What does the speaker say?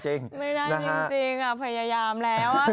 ไม่ได้จริงพยายามแล้ว